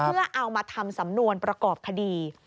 เพื่อเอามาทำสำนวนประกอบคดี